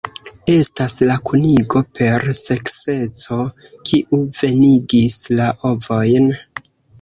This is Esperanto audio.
Estas la kunigo per sekseco kiu venigis la ovojn.